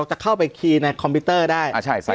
จะเข้าไปคีย์ในคอมพิวเตอร์ได้